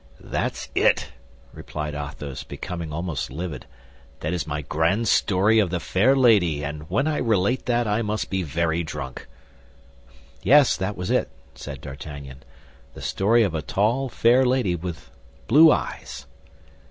"That's it," replied Athos, becoming almost livid; "that is my grand story of the fair lady, and when I relate that, I must be very drunk." "Yes, that was it," said D'Artagnan, "the story of a tall, fair lady, with blue eyes."